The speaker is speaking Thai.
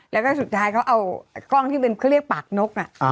แล้วก็สุดท้ายเขาเอากล้องที่เป็นเขาเรียกปากนก